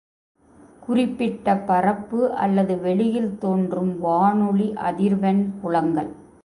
குறிப்பிட்ட பரப்பு அல்லது வெளியில் தோன்றும் வானொலி அதிர்வெண் புலங்கள்.